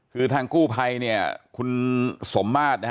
คือทางกู้ไพรคุณสมมาส